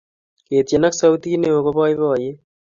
ketieni ak sautit neoo ko poipoiiti